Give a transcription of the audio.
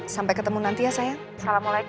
raja angel usual lagi yang p